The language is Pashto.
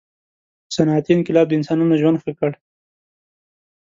• صنعتي انقلاب د انسانانو ژوند ښه کړ.